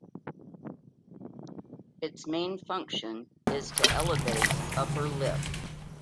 Its main function is to elevate upper lip.